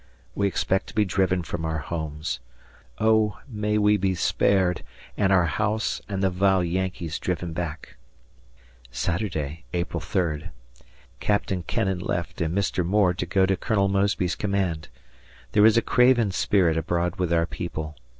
We expect to be driven from our homes. Oh! may we be spared, and our house, and the vile Yankees driven back. Saturday, April 3. Captain Kennon left and Mr. Moore to go to Col. Mosby's command. ... There is a craven spirit abroad with our people.